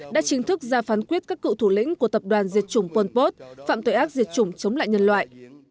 đã chính thức ra phán quyết các cựu thủ lĩnh của tập đoàn diệt chủng pol pot phạm tội ác diệt chủng chống lại nhân loại